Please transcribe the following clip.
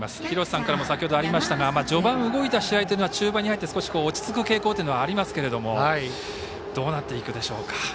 廣瀬さんからも先ほどありましたが序盤動いた試合というのは中盤に入って少し、落ち着く傾向というのはありますけどどうなっていくでしょうか。